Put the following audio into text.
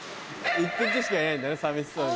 １匹しかいないだね寂しそうに。